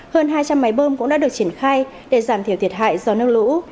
hơn hai trăm linh máy bơm cũng đã được triển khai để giảm thiểu thiệt hại do nước lũ